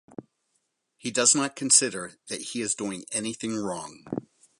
He does not consider that he is doing anything wrong.